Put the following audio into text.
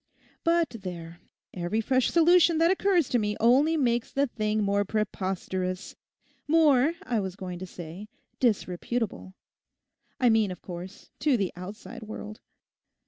But there, every fresh solution that occurs to me only makes the thing more preposterous, more, I was going to say, disreputable—I mean, of course, to the outside world.